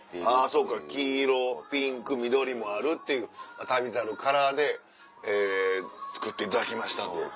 そうか黄色ピンク緑もあるっていう旅猿カラーで作っていただきましたんで。